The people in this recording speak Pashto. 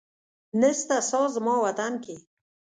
نسته ساه زما وطن کي